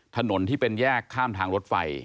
ถนนที่เป็นแยกข้ามทางรถไฟ